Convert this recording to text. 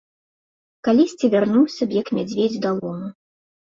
Калісьці вярнуўся б, як мядзведзь да лому.